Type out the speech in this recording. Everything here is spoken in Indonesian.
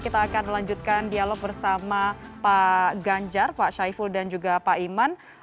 kita akan melanjutkan dialog bersama pak ganjar pak syaiful dan juga pak iman